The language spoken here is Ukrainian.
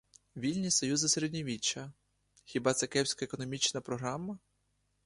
Вільні союзи середньовіччя — хіба це кепська економічна програма?